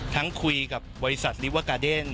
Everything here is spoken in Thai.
ทั้งคุยกับบริษัทลิเวอร์กาเดน